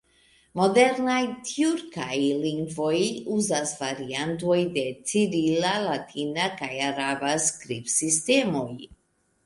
Modernaj tjurkaj lingvoj uzas variantojn de cirila, latina kaj araba skribsistemoj.